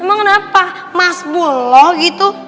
emang kenapa masbullah gitu